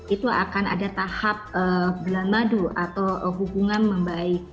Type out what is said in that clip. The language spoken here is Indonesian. itu akan ada tahap belamadu atau hubungan membaik